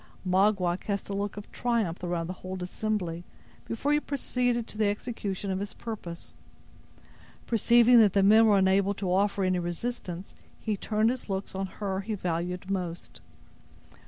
Magua cast a look of triumph around the whole assembly before he proceeded to the execution of his purpose. Perceiving that the men were unable to offer any resistance, he turned his looks on her he valued most.